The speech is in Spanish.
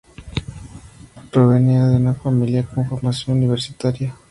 Provenía de una familia con formación universitaria.